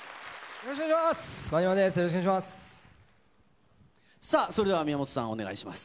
よろしくお願いします。